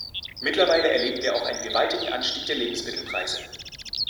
Mittlerweile erleben wir auch einen gewaltigen Anstieg der Lebensmittelpreise.